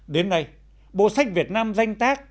đến nay bộ sách việt nam danh tác